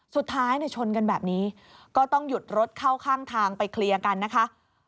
สุดท้ายชนกันแบบนี้ก็ต้องหยุดรถเข้าข้างทางไปเคลียร์กันนะคะ